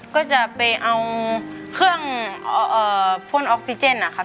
ก็จะไปเอาเครื่องพ่นออกซิเจนนะครับ